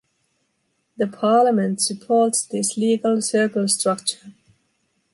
The parliament supports this legal circle structure.